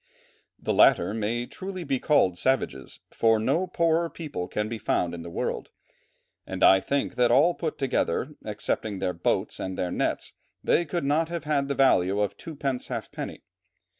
"The latter may truly be called savages, for no poorer people can be found in the world, and I think that all put together, excepting their boats and their nets, they could not have had the value of two pence half penny.